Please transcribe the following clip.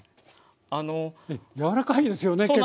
柔らかいですよね結構。